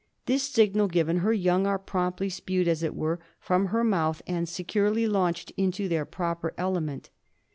This signal given, her young are promptly spewed, as it were, from her mouth and securely launched into their proper element.